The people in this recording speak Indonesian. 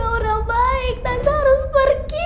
papa bukan orang baik tante harus pergi